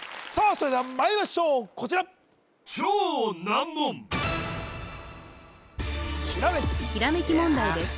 それではまいりましょうこちらひらめき問題です